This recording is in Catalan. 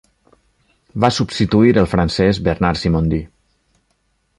Va substituir el francès Bernard Simondi.